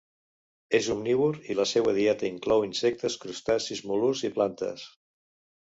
És omnívor i la seua dieta inclou insectes, crustacis, mol·luscs i plantes.